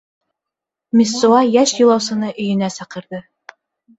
— Мессуа йәш юлаусыны өйөнә саҡырҙы.